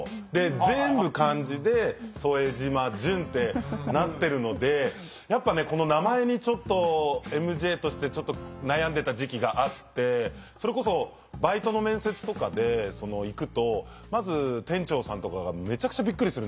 全部漢字で「副島淳」ってなってるのでやっぱねこの名前にちょっとＭＪとしてちょっと悩んでた時期があってそれこそバイトの面接とかで行くとまず店長さんとかがめちゃくちゃびっくりするんですよね。